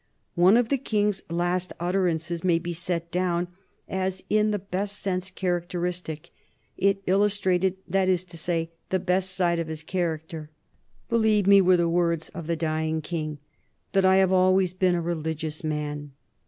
One of the King's last utterances may be set down as in the best sense characteristic it illustrated, that is to say, the best side of his character. "Believe me," were the words of the dying King, "that I have always been a religious man."